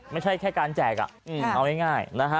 ไม่ใช่แค่การแจกเอาง่ายนะฮะ